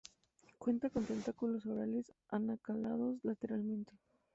Cuentan con tentáculos orales acanalados lateralmente.